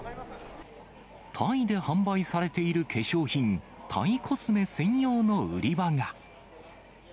タイで販売されている化粧品、タイコスメ専用の売り場が。